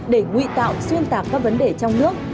để nguy tạo xuyên tạp các vấn đề trong nước